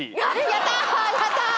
やったー！